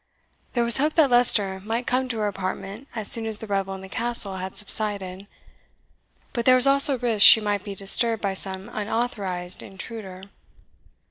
There was hope that Leicester might come to her apartment as soon as the revel in the Castle had subsided; but there was also risk she might be disturbed by some unauthorized intruder.